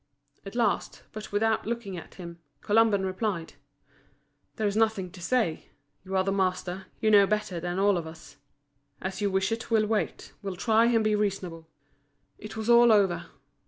At last, but without looking at him, Colomban replied: "There's nothing to say. You are the master, you know better than all of us. As you wish it we'll wait, we'll try and be reasonable." It was all over.